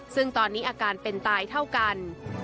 ซึ่งตอนนี้อาการเป็นตายเท่ากัน